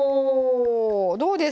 どうです？